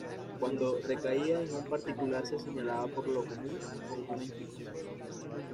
Cuando recaía en un particular se señalaba por lo común con una inscripción.